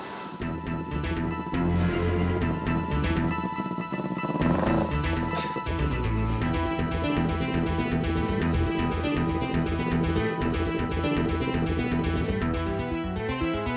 ketua beli kobra